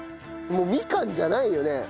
もうみかんじゃないよね。